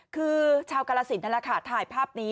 คือชาวกละละสินทั้งละค่ะถ่ายภาพนี้